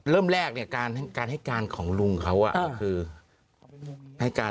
เริ่มแรกการให้การของลุงเขาคือ